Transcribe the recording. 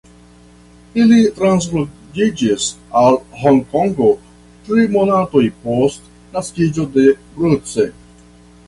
Ili transloĝiĝis al Honkongo tri monatoj post naskiĝo de Bruce.